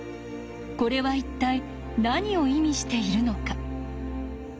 これは一体何を意味しているのか？